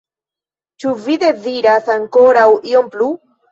Ĉu vi deziras ankoraŭ ion plu?